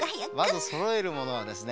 まずそろえるものはですね